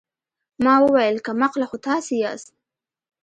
ما وويل کم عقله خو تاسې ياست.